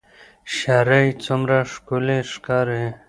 شرۍ څومره ښکلې ښکاري